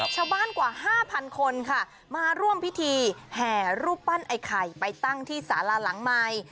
กว่า๕๐๐คนค่ะมาร่วมพิธีแห่รูปปั้นไอ้ไข่ไปตั้งที่สาราหลังใหม่